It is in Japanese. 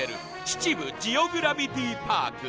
秩父ジオグラビティパーク